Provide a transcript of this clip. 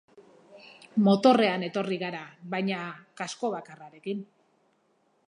Motorrean etorri gara baina kasko bakarrarekin.